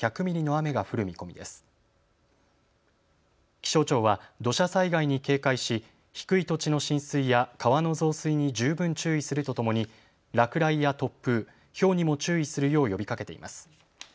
気象庁は土砂災害に警戒し低い土地の浸水や川の増水に十分注意するとともに落雷や突風、ひょうにも注意するよう呼びかけています。